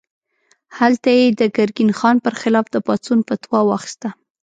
هلته یې د ګرګین خان پر خلاف د پاڅون فتوا واخیسته.